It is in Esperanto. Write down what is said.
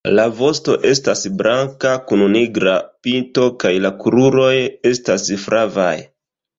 La vosto estas blanka kun nigra pinto kaj la kruroj estas flavaj.